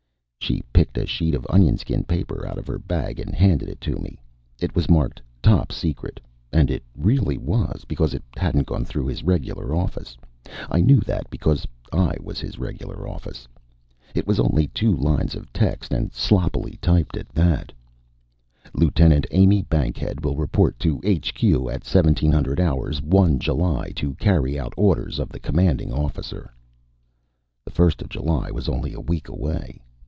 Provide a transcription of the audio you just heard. She picked a sheet of onionskin paper out of her bag and handed it to me. It was marked Top Secret, and it really was, because it hadn't gone through his regular office I knew that because I was his regular office. It was only two lines of text and sloppily typed at that: Lt. Amy Bankhead will report to HQ at 1700 hours 1 July to carry out orders of the Commanding Officer. The first of July was only a week away.